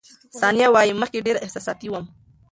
ثانیه وايي، مخکې ډېره احساساتي وم.